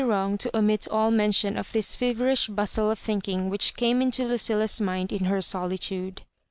wrong to omit all mention of this feverish bustle of thinking which came into Lucilla's mind in her solitude.